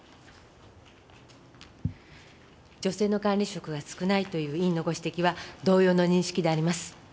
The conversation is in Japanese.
女性の管理職が少ないという委員のご指摘は、同様の認識であります。